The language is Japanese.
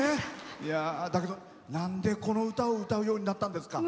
だけど、なんで、この歌を歌うようになったんですか？